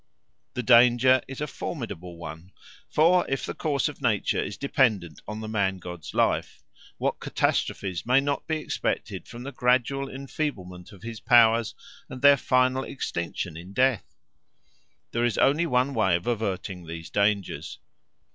The danger is a formidable one; for if the course of nature is dependent on the man god's life, what catastrophes may not be expected from the gradual enfeeblement of his powers and their final extinction in death? There is only one way of averting these dangers.